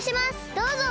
どうぞ！